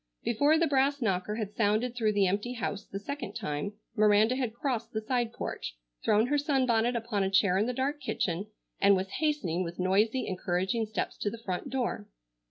Before the brass knocker had sounded through the empty house the second time Miranda had crossed the side porch, thrown her sunbonnet upon a chair in the dark kitchen, and was hastening with noisy, encouraging steps to the front door.